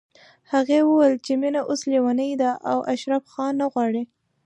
هغې ويل چې مينه اوس ليونۍ ده او اشرف خان نه غواړي